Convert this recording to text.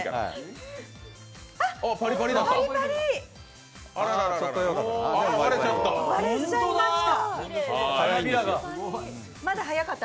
あっ、パリパリ！割れちゃいました。